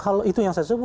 kalau itu yang saya sebut